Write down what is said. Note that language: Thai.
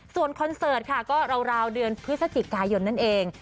ส่วนคอนเสิร์ตค่ะก็ราวเดือนพฤศจิกายนนั่นเอง